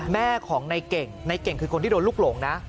แม่ของในเก่งในเก่งคือคนที่โดนลูกหลงนะ